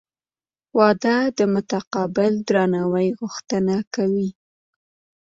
• واده د متقابل درناوي غوښتنه کوي.